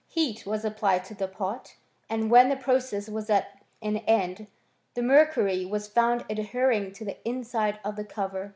Heat was applied to the pot, and when the process was at an end, the mercury was found adhering to the inside of the cover.